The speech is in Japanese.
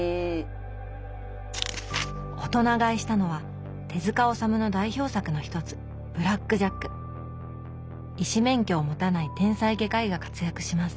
「大人買い」したのは手治虫の代表作の一つ医師免許を持たない天才外科医が活躍します